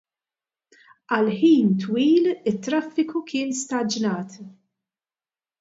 Għal ħin twil it-traffiku kien staġnat.